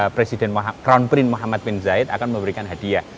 presiden crown prince muhammad bin zayed akan memberikan hadiah